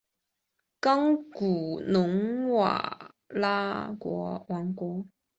冈古农拉尔萨国王。